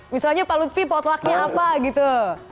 misalnya pak lutfi potlucknya apa gitu